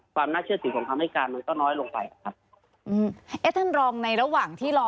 อ๋อครับคือจริงแล้วนี่